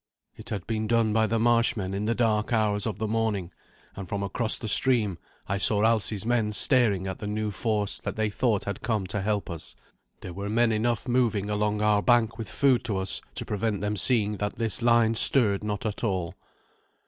It had been done by the marshmen in the dark hours of the morning, and from across the stream I saw Alsi's men staring at the new force that they thought had come to help us. There were men enough moving along our bank with food to us to prevent them seeing that this line stirred not at all.